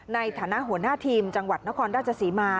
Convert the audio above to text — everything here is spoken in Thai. ในฐานะหัวหน้าทีมจังหวัดนครราชศรีมา